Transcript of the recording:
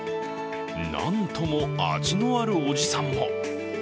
なんとも味のあるおじさんも。